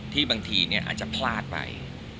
ที่บางทีเนี่ยอาจเพลินไป